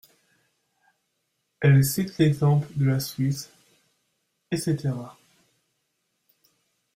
Elles citent l'exemple de la Suisse, etc.